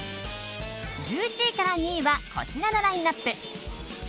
１１位から２位はこちらのラインアップ。